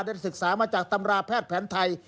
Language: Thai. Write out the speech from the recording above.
ศึกษามาจากตำราแพทย์แผนไทย